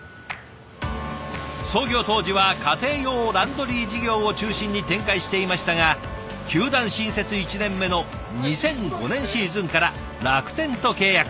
創業当時は家庭用ランドリー事業を中心に展開していましたが球団新設１年目の２００５年シーズンから楽天と契約。